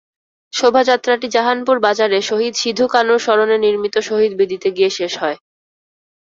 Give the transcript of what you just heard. শোভাযাত্রাটি জাহানপুর বাজারে শহীদ সিধু-কানুর স্মরণে নির্মিত শহীদবেদিতে গিয়ে শেষ হয়।